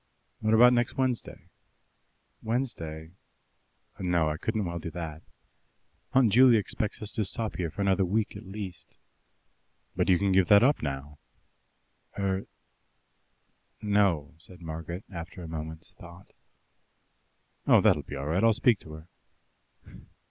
"What about next Wednesday?" "Wednesday? No, I couldn't well do that. Aunt Juley expects us to stop here another week at least." "But you can give that up now." "Er no," said Margaret, after a moment's thought. "Oh, that'll be all right. I'll speak to her."